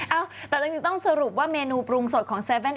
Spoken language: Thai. เอาแต่ต้องสรุปว่าเมนูปรุงสดของ๗๑๑